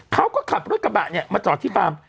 เขาก็ขับรถกระบะเนี่ยมาจอดที่ฟาร์ม